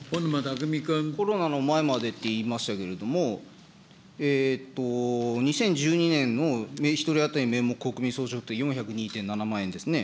コロナの前までって言いましたけれども、２０１２年の１人当たりの名目国民総所得は、４０２．７万円ですね。